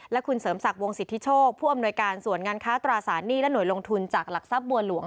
และคุณเสริมศักดิ์วงสิทธิโชคผู้อำนวยการส่วนงานค้าตราสารหนี้และหน่วยลงทุนจากหลักทรัพย์บัวหลวง